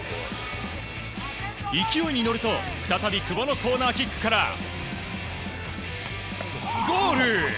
勢いに乗ると再び久保のコーナーキックからゴール！